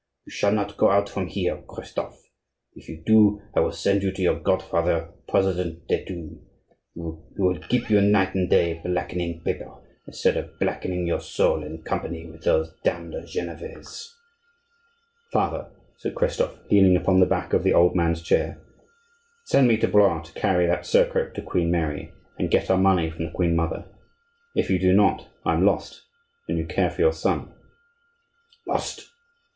You shall not go out from here, Christophe; if you do, I will send you to your godfather, President de Thou, who will keep you night and day blackening paper, instead of blackening your soul in company with those damned Genevese." "Father," said Christophe, leaning upon the back of the old man's chair, "send me to Blois to carry that surcoat to Queen Mary and get our money from the queen mother. If you do not, I am lost; and you care for your son." "Lost?"